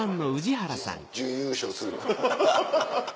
準優勝する。